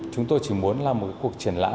chúng tôi chỉ muốn là một cuộc triển lãm